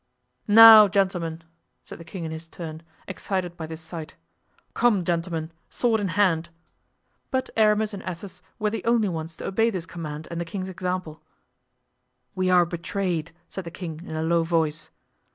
"Now, gentlemen," said the king in his turn, excited by this sight, "come, gentlemen, sword in hand!" But Aramis and Athos were the only ones to obey this command and the king's example. "We are betrayed," said the king in a low voice.